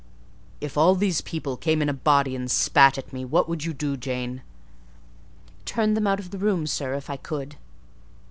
"If all these people came in a body and spat at me, what would you do, Jane?" "Turn them out of the room, sir, if I could."